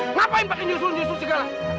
ngapain pakai nyusul nyusut segala